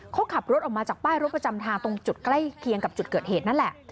เขาขับรถออกมาจากป้ายรถประจำทางตรงจุดใกล้เคียงกับจุดเกิดเหตุนั่นแหละ